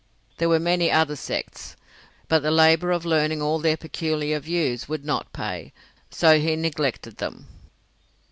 There were many other sects, but the labour of learning all their peculiar views would not pay, so he neglected them.